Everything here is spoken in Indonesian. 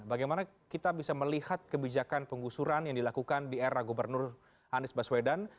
bagaimana kita bisa melihat kebijakan penggusuran yang dilakukan di era gubernur anies baswedan